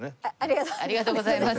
ありがとうございます。